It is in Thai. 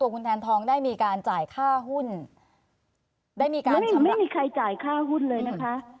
คุณแทนทองได้มีการจ่ายค่าหุ้นได้มีการไม่มีใครจ่ายค่าหุ้นเลยนะคะ